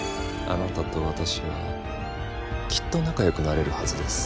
あなたと私はきっと仲よくなれるはずです。